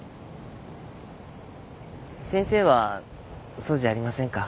先生はそうじゃありませんか？